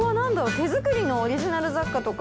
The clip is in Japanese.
手作りのオリジナル雑貨とか。